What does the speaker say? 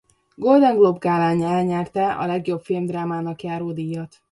Golden Globe-gálán elnyerte a legjobb filmdrámának járó díjat.